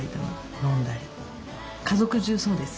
家族中そうです。